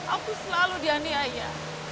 aku selalu dianiaya